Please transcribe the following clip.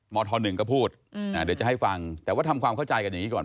มธ๑ก็พูดเดี๋ยวจะให้ฟังแต่ว่าทำความเข้าใจกันอย่างนี้ก่อน